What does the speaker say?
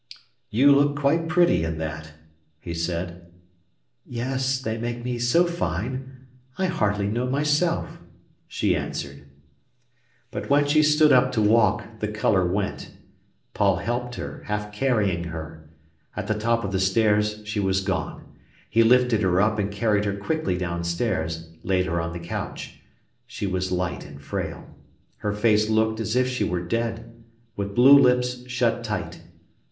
"But you look quite pretty in that," he said. "Yes; they make me so fine, I hardly know myself," she answered. But when she stood up to walk, the colour went. Paul helped her, half carrying her. At the top of the stairs she was gone. He lifted her up and carried her quickly downstairs; laid her on the couch. She was light and frail. Her face looked as if she were dead, with blue lips shut tight.